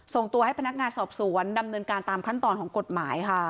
ส่งตัวให้พนักงานสอบสวนดำเนินการตามขั้นตอนของกฎหมายค่ะ